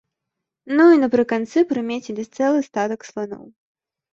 Ну і напрыканцы прымецілі цэлы статак сланоў!